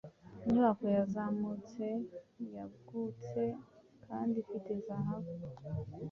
Inyubako yazamutse yagutse kandi ifite zahabu